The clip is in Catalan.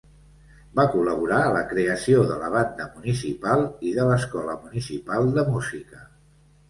Va col·laborar a la creació de la Banda Municipal i de l'Escola Municipal de Música.